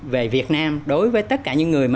về việt nam đối với tất cả những người mà